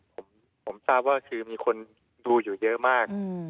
ผมทราบว่าคือมีคนดูอยู่เยอะมาก